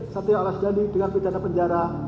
satya alas dendi dengan pidana penjara